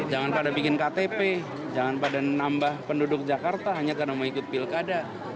jangan pada bikin ktp jangan pada nambah penduduk jakarta hanya karena mau ikut pilkada